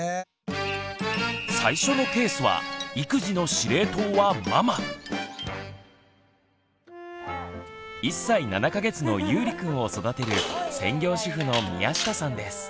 最初のケースは１歳７か月のゆうりくんを育てる専業主婦の宮下さんです。